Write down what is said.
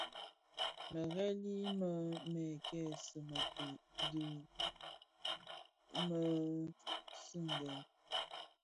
Mërèli më mè kèkèsi mëpuid dhi mësinden.